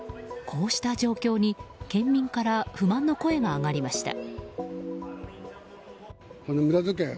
こうした状況に県民から不満の声が上がりました。